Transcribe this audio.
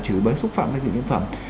chửi bới xúc phạm doanh nghiệp nhân phẩm